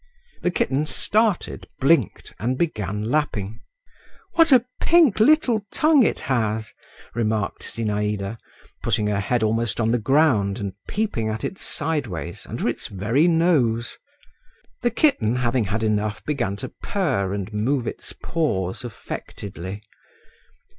The kitten started, blinked, and began lapping. "What a pink little tongue it has!" remarked Zinaïda, putting her head almost on the ground and peeping at it sideways under its very nose. The kitten having had enough began to purr and move its paws affectedly.